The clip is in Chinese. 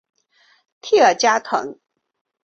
蒂尔加滕。